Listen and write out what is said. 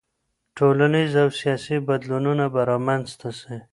ټولنيز او سياسي بدلونونه به رامنځته سي.